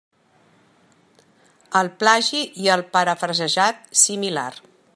El plagi i el parafrasejat similar.